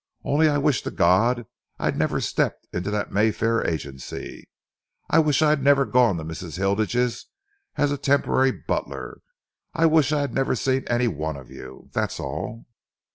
Only I wish to God I'd never stepped into that Mayfair agency. I wish I'd never gone to Mrs. Hilditch's as a temporary butler. I wish I'd never seen any one of you! That's all.